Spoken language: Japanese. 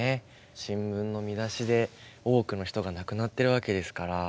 新聞の見出しで多くの人が亡くなってるわけですから。